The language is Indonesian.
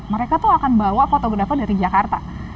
mereka tuh akan bawa fotografer dari jakarta